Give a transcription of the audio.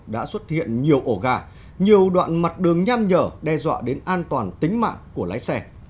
đã xuất hiện nhiều ổ gà nhiều đoạn mặt đường nham nhở đe dọa đến an toàn tính mạng của lái xe